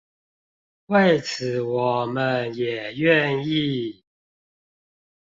為此我們也願意